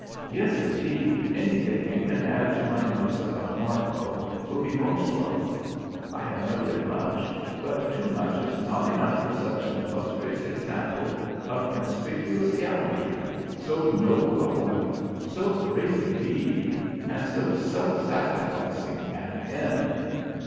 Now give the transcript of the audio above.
"Yes, indeed, anything you can add to my notes about Martlow will be most welcome. I have noted much, but too much is not enough for such an illustrious example of conspicuous gallantry, so noble a life, so great a deed, and so self sacrificing an end.